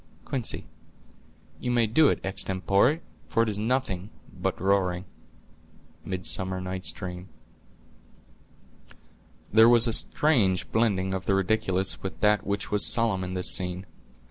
Quince.—You may do it extempore, for it is nothing but roaring." —Midsummer Night's Dream. There was a strange blending of the ridiculous with that which was solemn in this scene.